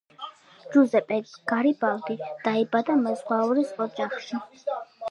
ჯუზეპე გარიბალდი დაიბადა მეზღვაურის ოჯახში.